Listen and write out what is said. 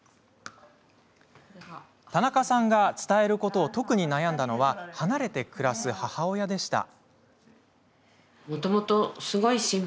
田中さんが伝えることを特に悩んだのは離れて暮らす母親でした。